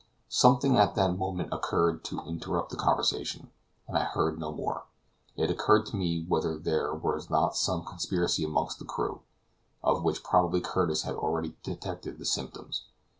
Something at that moment occurred to interrupt the conversation, and I heard no more. It occurred to me whether there was not some conspiracy among the crew, of which probably Curtis had already detected the symptoms.